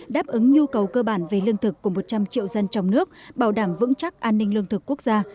đáp ứng nhu cầu cơ bản về lương thực của một trăm linh triệu dân trong nước bảo đảm vững chắc an ninh lương thực quốc gia